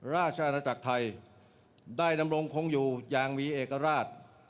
ราชอาณาจักรไทยได้ดำรงคงอยู่อย่างมีเอกราช